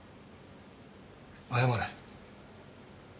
謝れ。